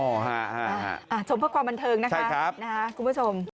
ค่ะชมเพราะความบันเทิงนะคะคุณผู้ชมนะครับใช่ครับ